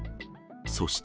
そして。